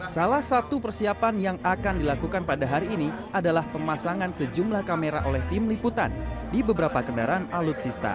salah satu persiapan yang akan dilakukan pada hari ini adalah pemasangan sejumlah kamera oleh tim liputan di beberapa kendaraan alutsista